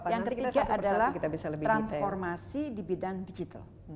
yang ketiga adalah transformasi di bidang digital